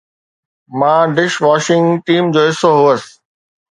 مان dish washing team جو حصو هوس.